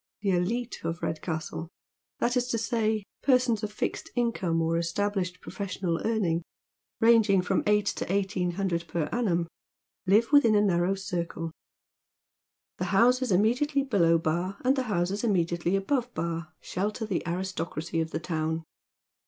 The elite of Rfedcastle — that is to say, persons of fixed incomw or established professional earning, ranging from eight to eighteen hundred per annum, live within a narrow circle. The houses im mediately below Bar, and the houses immediately above Bar, shelter the aristocracy of the town.